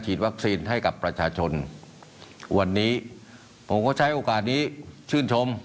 วัคซีนให้กับประชาชนวันนี้ผมก็ใช้โอกาสนี้ชื่นชม